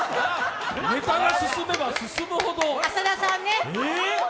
ネタが進めば進むほど、え！？